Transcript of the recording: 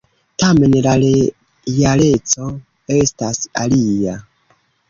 Tamen la realeco estas alia.